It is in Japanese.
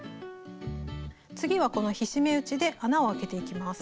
次はこの菱目打ちで穴をあけていきます。